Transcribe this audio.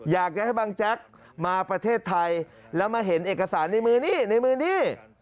อยากจะให้บังแจ๊กมาประเทศไทยแล้วมาเห็นเอกสารในมือนี่ในมือนี่